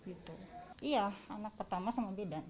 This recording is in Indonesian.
iya anak pertama sama bidan